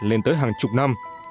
lên tới hàng chục năm